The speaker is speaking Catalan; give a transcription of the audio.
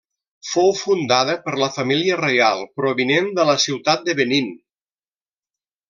Fou fundada per la família reial provinent de la ciutat de Benín.